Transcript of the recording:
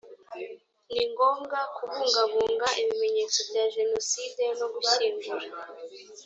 ni ngombwa kubungabunga ibimenyetso bya jenoside no gushyingura